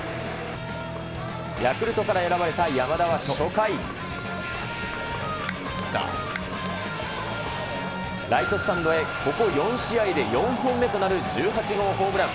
ヤクルトから選ばれた山田は初回、ライトスタンドへ、ここ４試合で４本目となる１８号ホームラン。